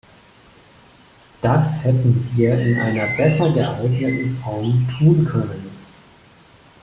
Das hätten wir in einer besser geeigneten Form tun können.